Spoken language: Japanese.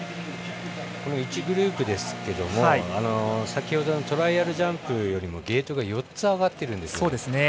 １グループですけども先ほど、トライアルジャンプよりゲートが４つ上がっているんです。